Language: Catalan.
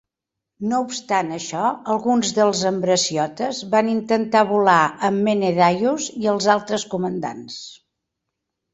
No obstant això, alguns dels ambraciotes van intentar volar amb Menedaius i els altres comandants.